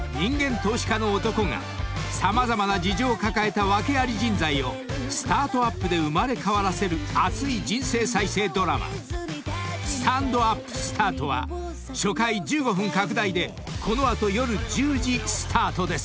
投資家の男が様々な事情を抱えた訳あり人材をスタートアップで生まれ変わらせる熱い人生再生ドラマ『スタンドＵＰスタート』は初回１５分拡大でこの後夜１０時スタートです］